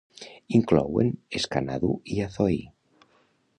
Inclouen Scanadu i Azoi.